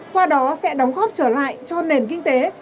qua đó sẽ đóng góp trở lại cho nền kinh tế